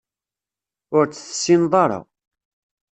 Ur tt-tessineḍ ara